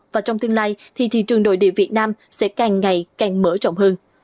và trong tương lai thì thị trường nội địa việt nam sẽ càng ngày càng mở rộng hơn